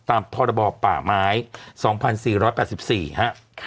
ตามพรบประหมาย๒๔๘๔ฮะ